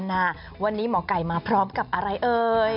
น่ารีบเลยนะเอาเร็วเลย